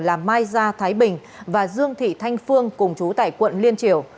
là mai gia thái bình và dương thị thanh phương cùng chú tại quận liên triều